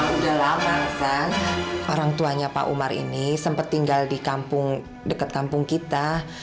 udah lama kan orang tuanya pak umar ini sempat tinggal di kampung dekat kampung kita